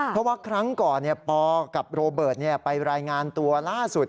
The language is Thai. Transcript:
เพราะว่าครั้งก่อนปกับโรเบิร์ตไปรายงานตัวล่าสุด